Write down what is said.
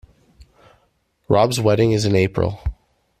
Rob's wedding is in April.